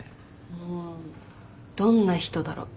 うんどんな人だろ。